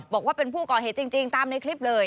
บอกว่าเป็นผู้ก่อเหตุจริงตามในคลิปเลย